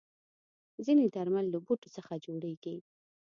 ځینې درمل له بوټو څخه جوړېږي.